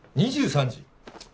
２３時！？